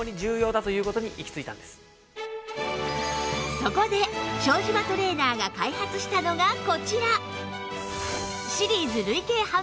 そこで庄島トレーナーが開発したのがこちら！